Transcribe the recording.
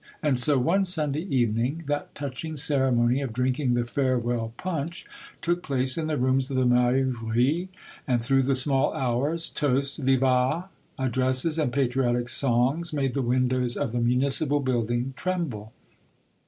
And so, one Sunday evening, that touching ceremony of drinking the farewell punch took place in the rooms of the mairie, and through the small hours toasts, vivats, addresses, and patriotic songs made the windows of the municipal building tremble.